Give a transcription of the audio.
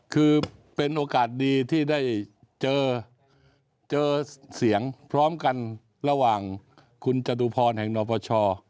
คือเป็นโอกาสดีที่ได้เจอเจอเสียงพร้อมกันระหว่างคุณจตุพรแห่งนปช